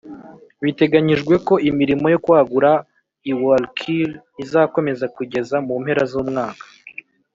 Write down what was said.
Biteganyijwe ko imirimo yo kwagura i Wallkill izakomeza kugeza mu mpera z umwaka